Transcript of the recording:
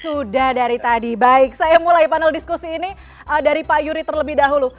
sudah dari tadi baik saya mulai panel diskusi ini dari pak yuri terlebih dahulu